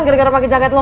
gara gara pake jaket lu